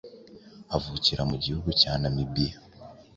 avukira mu gihugu cya Namibia,